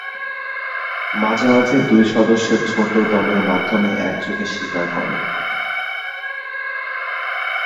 মাঝে মাঝে দুই সদস্যের ছোট দলের মাধ্যমে একযোগে শিকার করে।